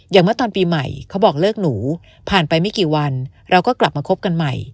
เมื่อตอนปีใหม่เขาบอกเลิกหนูผ่านไปไม่กี่วันเราก็กลับมาคบกันใหม่